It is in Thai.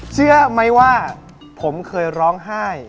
เชื่อไหมว่าผมเคยร้องไห้